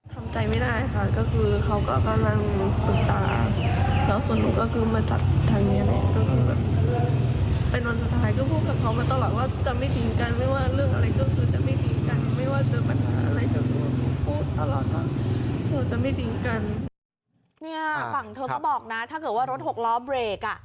ฝั่งฝั่งเธอก็บอกนะถ้าเกิดว่ารถหกล้อเบรกอ่ะ